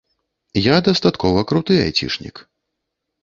Я дастаткова круты айцішнік.